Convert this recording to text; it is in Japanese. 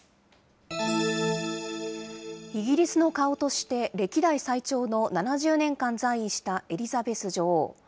イギリスの顔として歴代最長の７０年間在位したエリザベス女王。